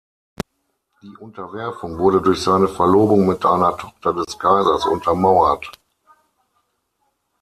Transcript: Die Unterwerfung wurde durch seine Verlobung mit einer Tochter des „Kaisers“ untermauert.